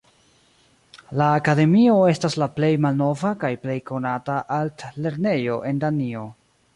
La akademio estas la plej malnova kaj plej konata altlernejo en Danio.